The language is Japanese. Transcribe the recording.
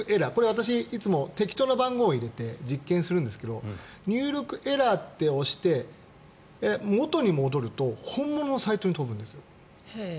私、いつも適当な番号を入れて実験するんですけど入力エラーって押して元に戻ると本物のサイトに飛ぶんですよ。